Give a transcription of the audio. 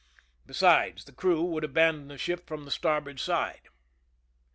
Besides, the crew would abandon the ship from the starboard side.